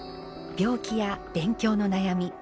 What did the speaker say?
病気や勉強の悩み